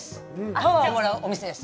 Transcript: パワーをもらうお店です。